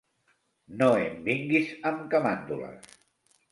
No em vinguis amb camàndules.